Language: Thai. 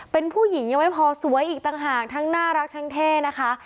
เป็นผู้หญิงยังไม่พอสวยอีกต่างหากทั้งน่ารักทั้งเท่นะคะ